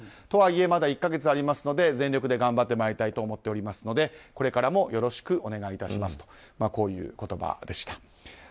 とはいえまだ１か月ありますので全力で頑張ってまいりたいと思っておりますのでこれからもよろしくお願い致しますとこういう言葉でした。